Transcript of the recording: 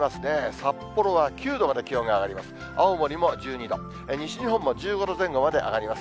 札幌は９度まで気温が上がります。